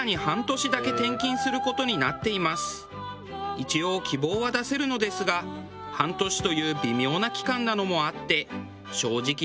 一応希望は出せるのですが半年という微妙な期間なのもあって。